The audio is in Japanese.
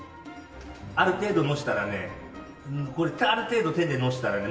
ある程度のしたらねある程度手でのしたらね